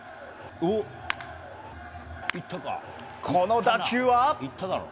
この打球は。